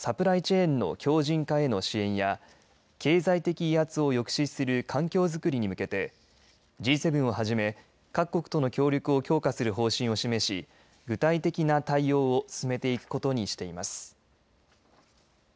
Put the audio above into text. サプライチェーンの強じん化への支援や経済的威圧を抑止する環境づくりに向けてＧ７をはじめ各国との協力を強化する方針を示し具体的な対応を進めていくことにしています。